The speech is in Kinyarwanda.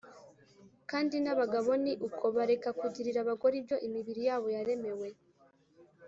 Kandi n’abagabo ni uko bareka kugirira abagore ibyo imibiri yabo yaremewe